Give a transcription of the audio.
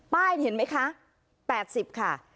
ป้ายเห็นไหมคะ๘๐ค่ะ